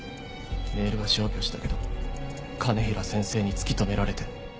メールは消去したけど兼平先生に突き止められて。